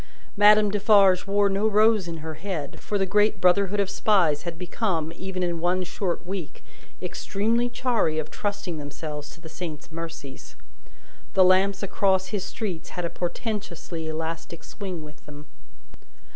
Madame Defarge wore no rose in her head, for the great brotherhood of Spies had become, even in one short week, extremely chary of trusting themselves to the saint's mercies. The lamps across his streets had a portentously elastic swing with them.